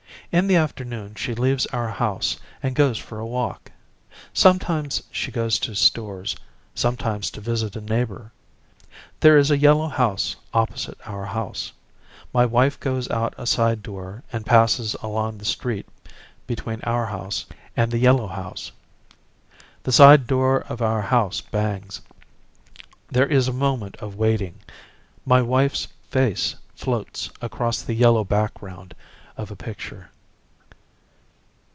In the afternoon she leaves our house and goes for a walk. Sometimes she goes to stores, sometimes to visit a neighbor. There is a yellow house opposite our house. My wife goes out at a side door and passes along the street between our house and the yellow house. The side door of our house bangs. There is a moment of waiting. My wife's face floats across the yellow background of a picture.